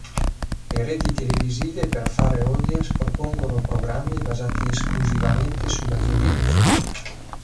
Le reti televisive per fare audience propongono programmi basati esclusivamente sulla violenza.